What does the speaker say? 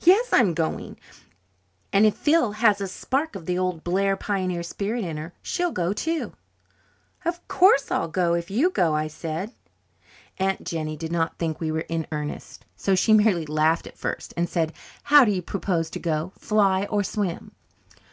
Yes, I'm going and if Phil has a spark of the old Blair pioneer spirit in her, she'll go too." "Of course I'll go if you go," I said. Aunt Jennie did not think we were in earnest, so she merely laughed at first, and said, "How do you propose to go? Fly or swim?"